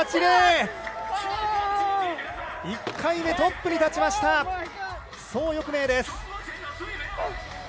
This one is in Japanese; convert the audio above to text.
１回目トップに立ちました蘇翊鳴。